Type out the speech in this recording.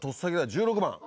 １６番。